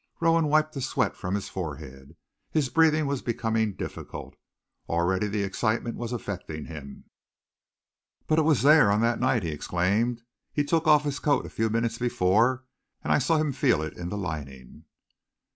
Rowan wiped the sweat from his forehead. His breathing was becoming difficult. Already the excitement was affecting him. "But it was there on that night!" he exclaimed. "He took off his coat a few minutes before, and I saw him feel it in the lining."